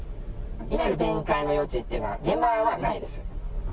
いわゆる弁解の余地っていうのは、現場はないです。